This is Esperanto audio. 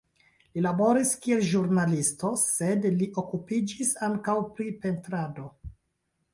Li laboris, kiel ĵurnalisto, sed li okupiĝis ankaŭ pri pentrado.